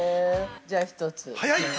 じゃあ１つ。